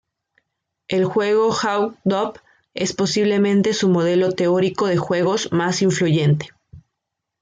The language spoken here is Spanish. El juego Hawk-Dove es posiblemente su modelo teórico de juegos más influyente.